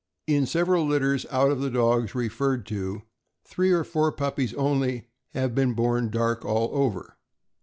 In several litters out of the dogs referred to, three or four puppies only have been born dark all over.